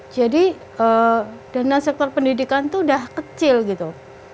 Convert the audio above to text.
jadi dana sektor pendidikan itu udah kecil gitu